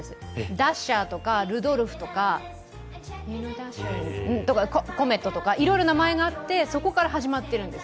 ダッシャーとか、ルドルフとか、コメットとか、いろいろ名前があって、そこから始まってるんです。